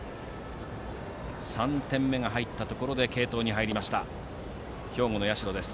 ３点目が入ったところで継投に入った兵庫の社です。